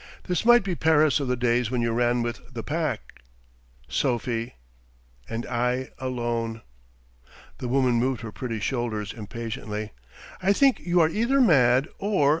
This might be Paris of the days when you ran with the Pack, Sophie and I alone!" The woman moved her pretty shoulders impatiently. "I think you are either mad or